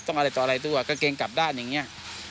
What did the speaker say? ต้องอะไรต่ออะไรตัวก็เกรงกลับด้านอย่างนี้